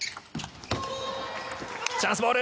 チャンスボール！